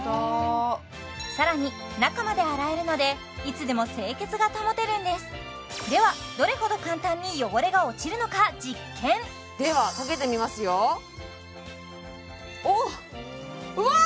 さらに中まで洗えるのでいつでも清潔が保てるんですではどれほど簡単に汚れが落ちるのか実験ではかけてみますよおっうわ！